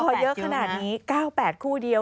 พอเยอะขนาดนี้๙๘คู่เดียว